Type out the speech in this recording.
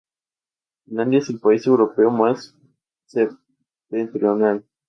Finlandia es el país europeo más septentrional.